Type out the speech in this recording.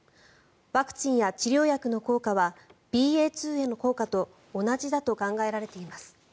ワクチンや治療薬の効果はＢＡ．２への効果と同じだと考えられています。